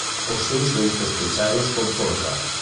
Os seus beizos pechados con forza.